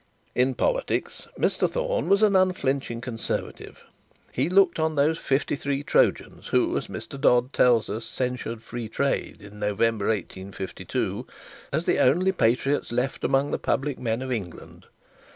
In politics, Mr Thorne was an unflinching conservative. He looked on those fifty three Trojans, who, as Mr Dod tell us, censured free trade in November 1852, as the only patriots left among the public men of England.